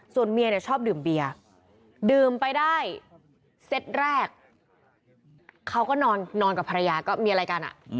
ส่วนเมียเนี่ยชอบดื่มเบียร์ดื่มไปได้เซตแรกเขาก็นอนกับภรรยาก็มีอะไรกัน